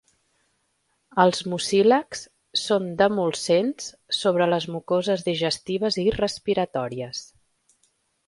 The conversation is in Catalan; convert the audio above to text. Els mucílags són demulcents sobre les mucoses digestives i respiratòries.